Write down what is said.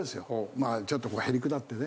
まあちょっとこうへりくだってね。